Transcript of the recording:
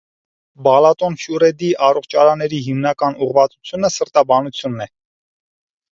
Բալատոնֆյուրեդի առողջարանների հիմնական ուղղվածությունը սրտաբանությունն է։